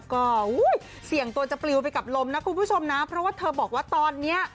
คุณผู้ชมนะเพราะว่าเธอบอกว่าตอนนี้